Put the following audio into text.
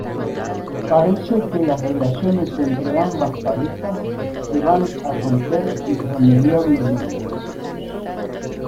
Parece que las relaciones entre ambas parejas se van a romper irremediablemente.